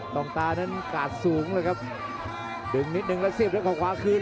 ต้องตานั้นกาดสูงเลยครับดึงนิดนึงแล้วเสียบด้วยเขาขวาคืน